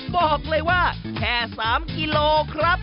บอกเลยว่าแค่๓กิโลครับ